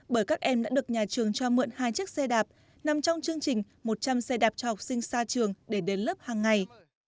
bởi các em đã được nhà trường cho mượn hai chiếc xe đạp nằm trong chương trình một trăm linh xe đạp cho học sinh xa trường để đến lớp hàng ngày